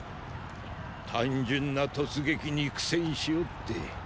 単純な突撃に苦戦しおって。